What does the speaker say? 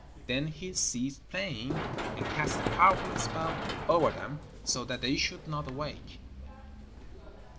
Then he ceased playing, and cast a powerful spell over them, so that they should not awake.